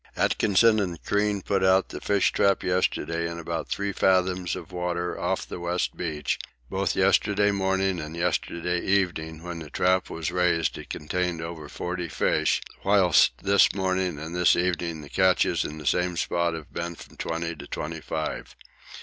Atkinson and Crean put out the fish trap in about 3 fathoms of water off the west beach; both yesterday morning and yesterday evening when the trap was raised it contained over forty fish, whilst this morning and this evening the catches in the same spot have been from twenty to twenty five.